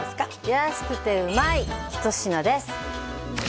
安くてうまい一品です